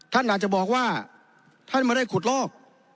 ท่านอาจจะบอกว่าท่านไม่ได้ขุดลอก